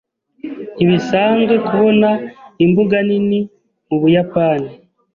Ntibisanzwe kubona imbuga nini mu Buyapani.